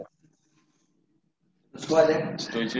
dipanggil seleksi timnas atau timnas junior atau senior